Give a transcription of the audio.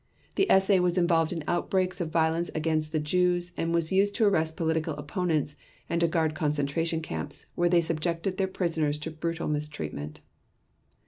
The SA was involved in outbreaks of violence against the Jews and was used to arrest political opponents and to guard concentration camps, where they subjected their prisoners to brutal mistreatment.